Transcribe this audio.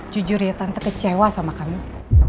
jujur ya tante kecewa sama kami